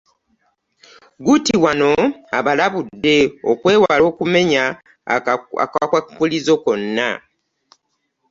Gutti wano abalabudde okwewala okumenya akakwakkulizo konna